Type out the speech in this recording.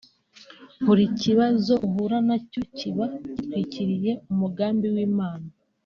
Buri kibazo uhura nacyo kiba gitwikiriye umugambi w’Imana